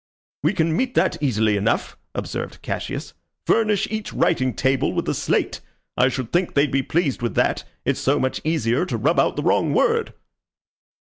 "We can meet that easily enough," observed Cassius. "Furnish each writing table with a slate. I should think they'd be pleased with that. It's so much easier to rub out the wrong word."